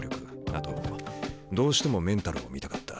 あとどうしてもメンタルを見たかった。